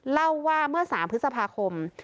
เล่าว่าเมื่อ๓พฤษภาคม